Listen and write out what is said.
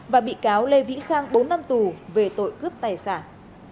và bị cáo lê vĩ khang bốn năm tù về tội cướp tài sản